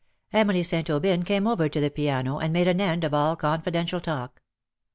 Emily St. Aubyn came over to the piano, and made an end of all confidential talk.